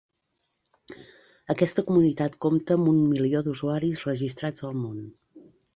Aquesta comunitat compta amb un milió d'usuaris registrats al món.